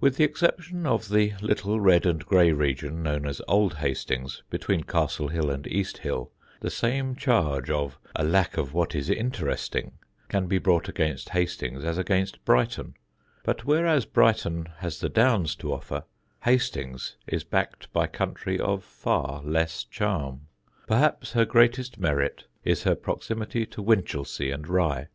With the exception of the little red and grey region known as Old Hastings, between Castle Hill and East Hill, the same charge of a lack of what is interesting can be brought against Hastings as against Brighton; but whereas Brighton has the Downs to offer, Hastings is backed by country of far less charm. Perhaps her greatest merit is her proximity to Winchelsea and Rye.